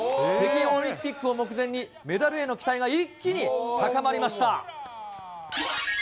北京オリンピックを目前に、メダルへの期待が一気に高まりました。